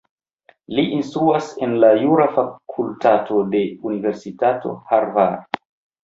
Li instruas en la jura fakultato de la Universitato Harvard.